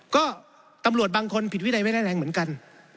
ก็ตำรวจบางคนผิดวินัยไม่ร้ายแรงเหมือนกัน